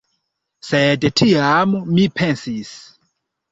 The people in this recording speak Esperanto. Sed tiam mi pensis: